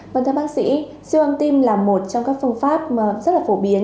vâng thưa bác sĩ siêu âm tim là một trong các phương pháp rất là phổ biến